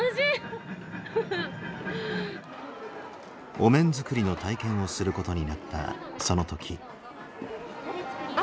お面作りの体験をすることになったその時。